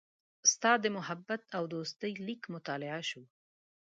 ستا د محبت او دوستۍ لیک مطالعه شو.